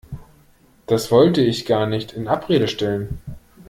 Das wollte ich gar nicht in Abrede stellen.